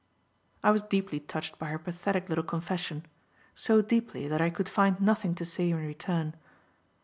I was deeply touched by her pathetic little confession; so deeply that I could find nothing to say in return.